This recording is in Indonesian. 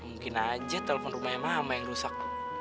mungkin aja telpon rumahnya mama yang rusak